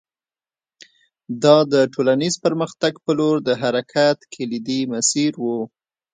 دا د ټولنیز پرمختګ په لور د حرکت کلیدي مسیر و